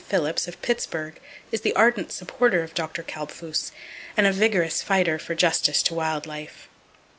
Phillips, of Pittsburgh is the ardent supporter of Dr. Kalbfus and a vigorous fighter for justice to wild life.